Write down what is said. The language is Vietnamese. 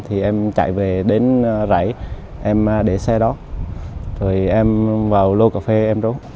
thì em chạy về đến rãi em để xe đó rồi em vào lô cà phê em rốt